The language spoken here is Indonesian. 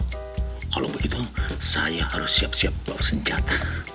kalau begitu saya harus siap siap bawa senjat